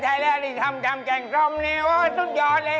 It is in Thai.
ใช่แล้วตรงนี้ทำแกงซอมนี้อื้อสุดยอดเลย